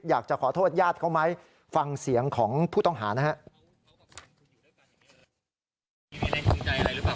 อยากจะขอโทษญาติเขาไหมฟังเสียงของผู้ต้องหานะครับ